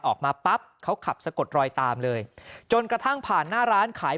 ออกมาปั๊บเขาขับสะกดรอยตามเลยจนกระทั่งผ่านหน้าร้านขาย